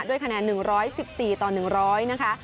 ด้วยคะแนน๑๑๔ต่อ๑๐๐นะคะ